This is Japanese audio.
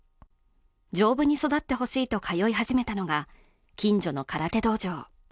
丈夫に育ってほしいと通い始めたのが近所の空手道場。